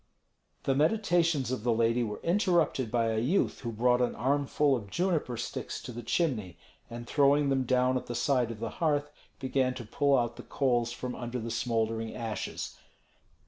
The meditations of the lady were interrupted by a youth who brought an armful of juniper sticks to the chimney, and throwing them down at the side of the hearth, began to pull out the coals from under the smouldering ashes.